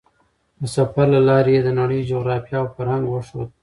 د سفر له لارې یې د نړۍ جغرافیه او فرهنګ وښود.